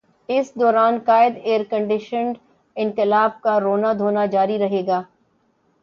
اس دوران قائد ائیرکنڈیشنڈ انقلاب کا رونا دھونا جاری رہے گا۔